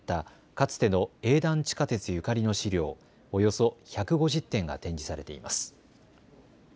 かつての営団地下鉄ゆかりの資料、およそ１５０点が展示されています。